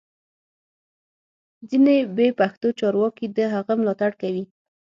ځینې بې پښتو چارواکي د هغه ملاتړ کوي